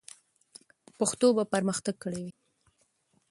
پښتو به پرمختګ کړی وي.